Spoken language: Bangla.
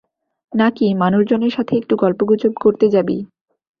নাকি মানুষজনের সাথে একটু গুল্পগুজব করতে যাবি?